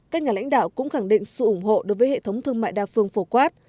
các nhà lãnh đạo cũng khẳng định sự ủng hộ đối với hệ thống thương mại đa phương phổ quát